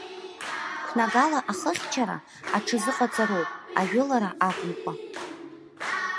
Қәнагала ахыхьчара аҽазыҟаҵароуп, ажәылара акәымкәа.